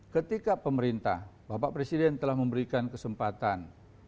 ketika pemerintah bapak presiden telah memberikan kesempatan